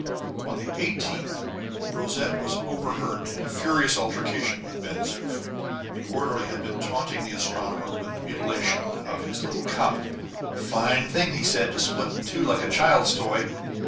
On the 18th, Rosette was overheard in furious altercation with Ben Zoof. The orderly had been taunting the astronomer with the mutilation of his little comet. A fine thing, he said, to split in two like a child's toy.